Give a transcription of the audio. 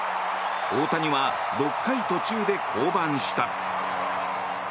大谷は６回途中で降板した。